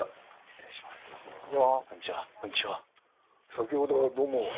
先ほどはどうも。